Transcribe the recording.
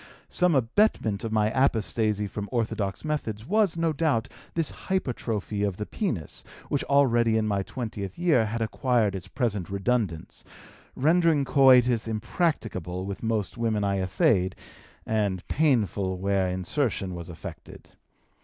"Some abetment of my apostasy from orthodox methods was, no doubt, this hypertrophy of the penis, which already in my twentieth year had acquired its present redundance, rendering coitus impracticable with most women I essayed and painful where insertion was effected.